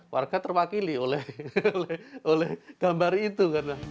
warga terwakili oleh gambar itu